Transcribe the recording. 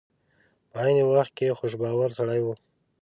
په عین وخت کې خوش باوره سړی و.